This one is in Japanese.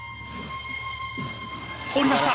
降りました。